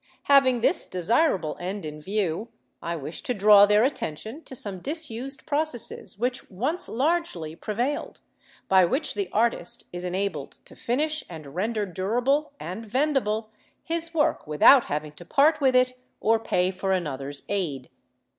Having this desirable end in view, I wish to draw their attention to some disused processes which once largely prevailed, by which the artist is enabled to finish, and render durable and vendible, his work, without having to part with it or pay for another's aid.